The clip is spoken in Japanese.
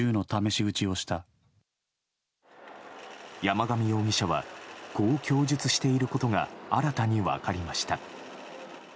山上容疑者はこう供述していることが新たに分かりました。